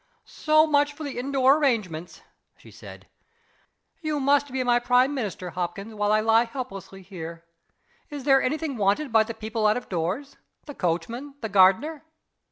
"So much for the indoor arrangements," she said. "You must be my prime minister, Hopkins, while I lie helpless here. Is there any thing wanted by the people out of doors? The coachman? The gardener?"